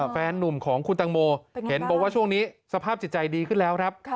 แฟนนุ่มของคุณตังโมเห็นบอกว่าช่วงนี้สภาพจิตใจดีขึ้นแล้วครับ